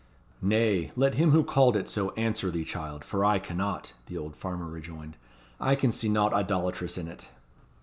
"Nay, let him who called it so answer thee, child, for I cannot," the old farmer rejoined. "I can see naught idolatrous in it."